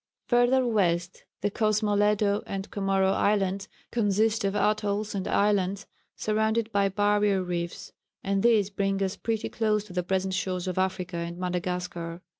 Further west the Cosmoledo and Comoro Islands consist of atolls and islands surrounded by barrier reefs; and these bring us pretty close to the present shores of Africa and Madagascar.